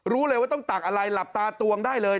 รู้เลยว่าต้องตักอะไรหลับตาตวงได้เลย